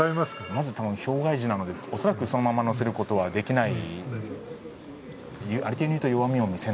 まず、表外字なので、恐らくそのままでは載せることはできない。